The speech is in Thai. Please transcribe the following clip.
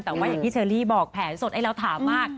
แต่ว่าอย่างที่เชอรี่บอกแผนสดให้เราถามมาก